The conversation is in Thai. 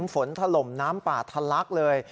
ฝนถล่มน้ำป่าทะลักเลย